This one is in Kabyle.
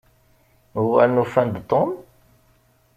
Uɣalen ufan-d Tom?